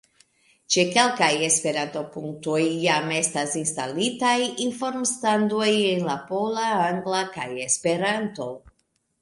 Ĉe kelkaj Esperanto-punktoj jam estas instalitaj informstandoj en la pola, angla kaj Esperanto.